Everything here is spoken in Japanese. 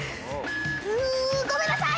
うごめんなさい！